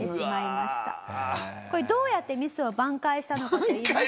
これどうやってミスを挽回したのかといいますと。